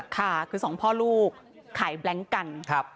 ค่ะคือสองพ่อลูกขายแบล็งกัน